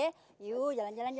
seterusnya suasana cinta